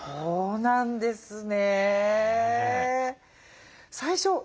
そうなんですか。